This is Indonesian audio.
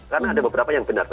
karena ada beberapa yang benar